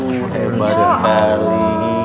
tuh hebat sekali